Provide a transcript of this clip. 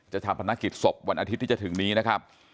จะทำธนาคิดศพวันอาทิตย์ที่จะถึงนี้นะครับ